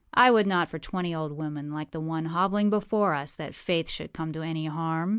I would not for twenty old women like the one hobbling before us that Faith should come to any harm.